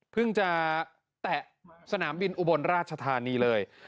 จะแตะสนามบินอุบลราชธานีเลย